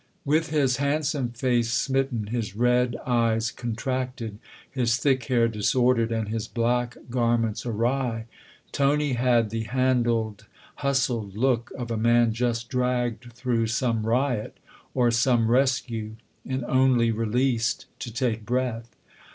With his handsome face smitten, his red eyes contracted, his thick hair disordered and his black garments awry, Tony had the handled, hustled look of a man just dragged through some riot or some rescue and only released to take breath.